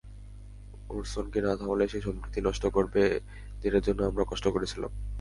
ওরসনকে না থামালে সে সম্প্রীতি নষ্ট করবে, যেটার জন্য আমরা কষ্ট করেছিলাম।